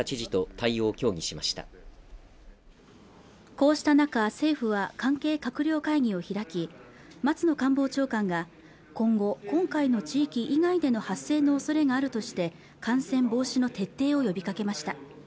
こうした中、政府は関係閣僚会議を開き松野官房長官が今後今回の地域以外での発生のおそれがあるとして感染防止の徹底を呼びかけました